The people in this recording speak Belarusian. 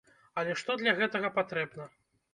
Але што для гэтага патрэбна?